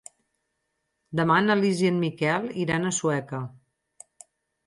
Demà na Lis i en Miquel iran a Sueca.